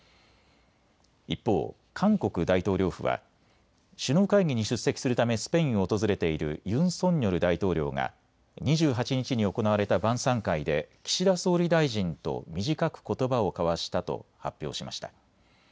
一方、韓国大統領府は首脳会議に出席するためスペインを訪れているユン・ソンニョル大統領が２８日に行われた晩さん会で岸田総理大臣と短くことばを交わしたと発表しました。